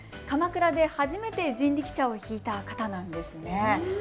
鎌倉で初めて人力車を引いた方なんですね。